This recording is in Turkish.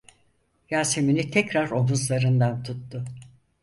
Yasemin'i tekrar omuzlarından tuttu.